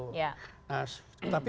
tapi karena kita tidak